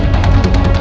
sebagai pembawa ke dunia